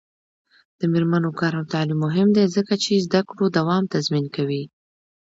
د میرمنو کار او تعلیم مهم دی ځکه چې زدکړو دوام تضمین کوي.